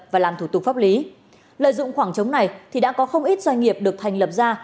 và làm thủ tục pháp lý lợi dụng khoảng trống này thì đã có không ít doanh nghiệp được thành lập ra